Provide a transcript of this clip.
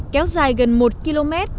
kéo dài gần một km